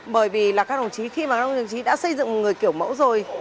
bởi vì là các đồng chí khi mà trong đồng chí đã xây dựng người kiểu mẫu rồi